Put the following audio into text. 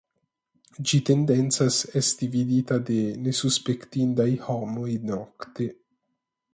Ĝi tendencas esti vidita de nesuspektindaj homoj nokte.